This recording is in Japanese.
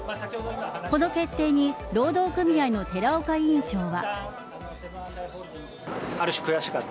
この決定に労働組合の寺岡委員長は。